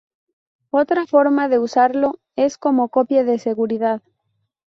Otra forma de usarlo es como copia de seguridad.